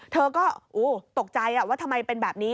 เธอก็ตกใจว่าทำไมเป็นแบบนี้